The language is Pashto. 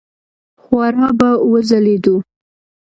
خورا به وځلېدو.